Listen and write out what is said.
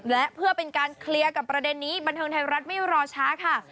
และเพื่อเป็นการเคลียร์กับประเด็นนี้บันเทิงไทยรัฐไม่รอช้าค่ะ